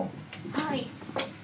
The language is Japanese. はい。